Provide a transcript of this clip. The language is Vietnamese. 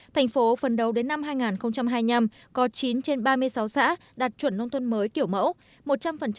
thành phố phần đầu đến năm hai nghìn hai mươi năm có chín trên ba mươi sáu xã đạt chuẩn nông thôn mới kiểu mẫu